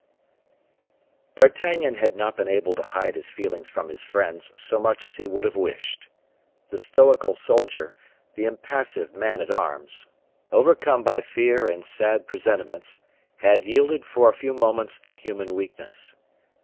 D'Artagnan had not been able to hide his feelings from his friends so much as he would have wished. The stoical soldier, the impassive man at arms, overcome by fear and sad presentiments, had yielded, for a few moments, to human weakness.